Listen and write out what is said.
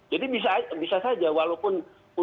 jadi bisa saja walaupun